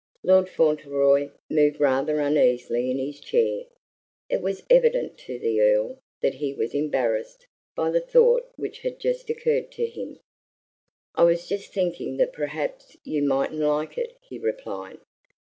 Lord Fauntleroy moved rather uneasily in his chair. It was evident to the Earl that he was embarrassed by the thought which had just occurred to him. "I was just thinking that perhaps you mightn't like it," he replied.